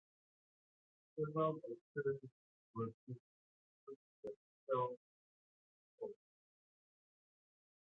Several hostelries were built, including the Hotel Lookoff.